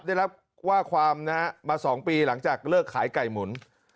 ได้รับว่าความนะฮะมา๒ปีหลังจากเลิกขายไก่หมุน